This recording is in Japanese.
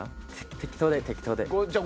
適当で適当で。